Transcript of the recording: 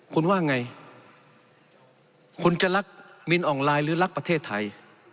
คุณว่าไงคุณจะรักมินอ่องไลน์หรือรักประเทศไทย